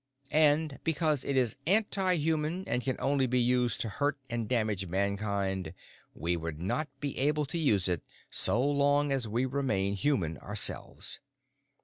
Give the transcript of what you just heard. And because it is anti human and can only be used to hurt and damage Mankind, we would not be able to use it so long as we remain human ourselves.